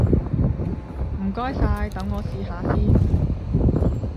唔該晒，等我試下先！